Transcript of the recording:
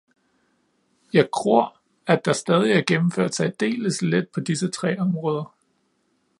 Jeg gror, at der stadig er gennemført særdeles lidt på disse tre områder.